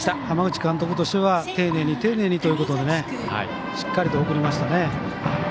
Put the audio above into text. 浜口監督としては丁寧に丁寧にということでしっかりと送りましたね。